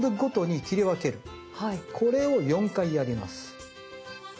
これを４回やります。